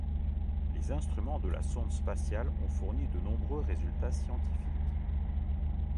Les instruments de la sonde spatiale ont fourni de nombreux résultats scientifiques.